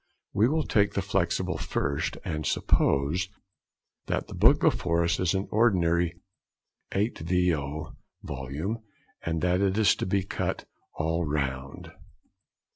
We will take the flexible first, and suppose that the book before us is an ordinary 8vo. volume, and that it is to be cut all round.